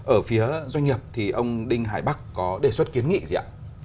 ở phía doanh nghiệp thì ông đinh hải bắc có đề xuất kiến nghị gì ạ